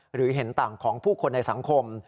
หรือเห็นต่างของผู้คนในสังคม